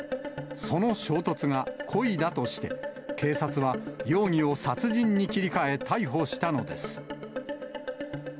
その衝突が故意だとして、警察は容疑を殺人に切り替え、逮捕したのです。